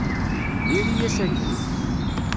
Diri-yas akken.